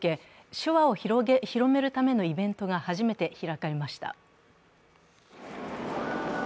手話を広めるためのイベントが初めて開かれました。